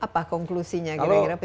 apa konklusinya kira kira